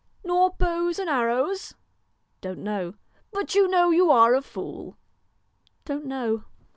' Nor bow and arrows ?' 1 Don't know.' ' But you know you are a fool ?' 1 Don't know.'